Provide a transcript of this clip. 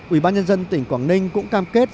ubnd tỉnh quảng ninh cũng cam kết